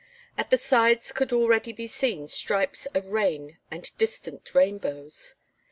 At the sides could already be seen stripes of rain and distant rainbows.